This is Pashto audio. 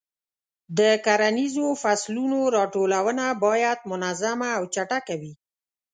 د کرنیزو فصلونو راټولونه باید منظمه او چټکه وي.